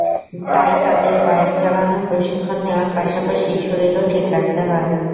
তাই তাঁদের বাইক চালানোর প্রশিক্ষণ নেওয়ার পাশাপাশি শরীরও ঠিক রাখতে হয়।